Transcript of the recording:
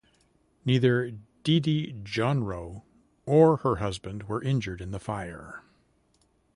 Neither DeeDee Jonrowe or her husband were injured in the fire.